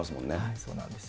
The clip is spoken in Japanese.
そうなんですよ。